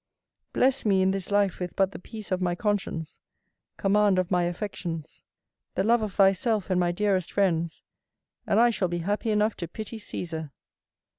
Bless me in this life with but the peace of my conscience, command of my affections, the love of thyself and my dearest friends, and I shall be happy enough to pity Cæsar!